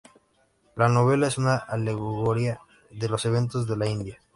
La novela es una alegoría de los eventos de la India.